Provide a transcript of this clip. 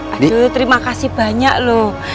aduh terima kasih banyak loh